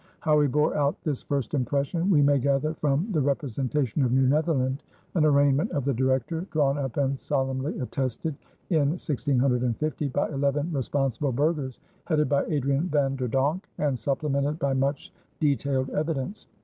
How he bore out this first impression we may gather from The Representation of New Netherland, an arraignment of the Director, drawn up and solemnly attested in 1650 by eleven responsible burghers headed by Adrian Van der Donck, and supplemented by much detailed evidence.